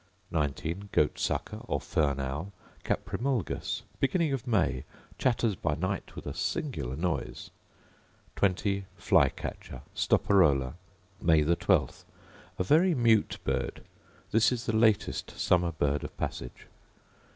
19. Goat sucker, or fern owl, Caprimulgus: Beginning of May; chatters by night with a singular noise. 20. Fly catcher, Stoparola: May 12. A very mute bird: this is the latest summer bird of passage.